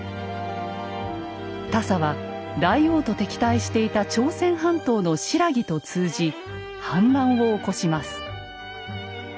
田狭は大王と敵対していた朝鮮半島の新羅と通じ反乱を起こします。